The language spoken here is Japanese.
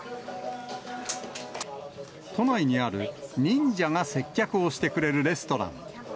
都内にある忍者が接客をしてくれるレストラン。